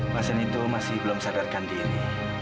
pasien itu masih belum sadarkan diri